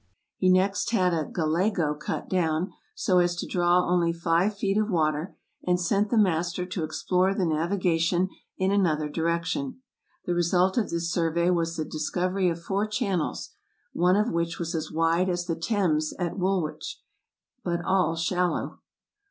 He next had a " galego " cut down, so as to draw only five feet of water, and sent the master to explore the navigation in another direction. The result of this survey was the discovery of four channels, one of which was as wide as the Thames at Woolwich, but all shallow.